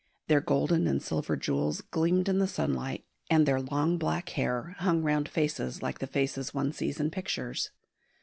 Their golden and silver jewels gleamed in the sunlight, and their long black hair hung round faces like the faces one sees in pictures.